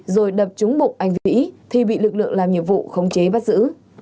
rồi đập trúng bụng anh vĩ thì bị lực lượng làm nhiệm vụ khống chế bắt giữ